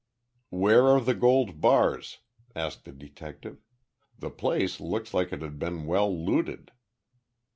"Where are the gold bars?" asked the detective. "The place looks like it had been well looted."